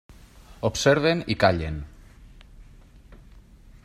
Observen i callen.